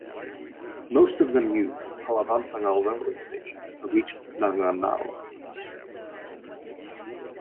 Most of them use Palavanthangal railway station to reach Nanganallur.